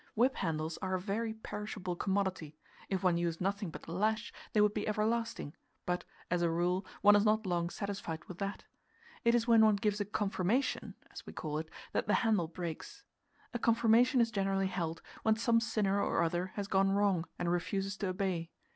Whip handles are a very perishable commodity; if one used nothing but the lash, they would be everlasting, but, as a rule, one is not long satisfied with that. It is when one gives a "confirmation," as we call it, that the handle breaks. A confirmation is generally held when some sinner or other has gone wrong and refuses to obey.